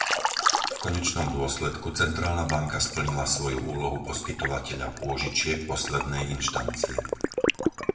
V konečnom dôsledku Centrálna banka splnila svoju úlohu poskytovateľa pôžičiek poslednej inštancie.